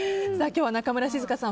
今日は中村静香さん